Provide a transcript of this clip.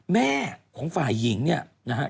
แม่ของฝ่ายหญิงเนี่ยนะฮะ